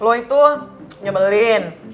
lo itu nyebelin